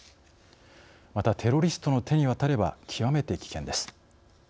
またテロリストの手に渡れば極めて危険です。